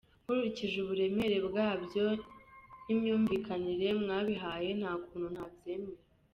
Nkurikije uburemere bwabyo n’imyumvikanire mwabihaye, nta kuntu ntabyemera.